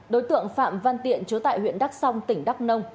đối tượng phạm văn tiện chứa tại huyện đắc song tỉnh đắc nông